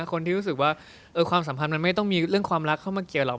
คนที่รู้สึกว่าความสัมพันธ์มันไม่ต้องมีเรื่องความรักเข้ามาเกี่ยวหรอก